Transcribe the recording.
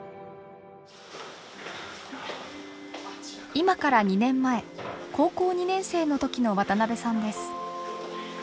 今から２年前高校２年生の時の渡さんです。